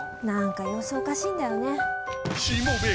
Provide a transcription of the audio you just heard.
何か様子おかしいんだよね。